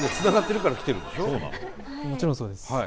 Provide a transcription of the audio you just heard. もちろんそうです。